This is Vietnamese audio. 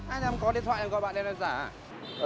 anh có điện thoại em gọi bạn em ra rả à